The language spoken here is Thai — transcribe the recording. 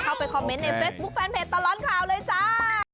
เข้าไปคอมเมนต์ในเฟซบุ๊คแฟนเพจตลอดข่าวเลยจ้า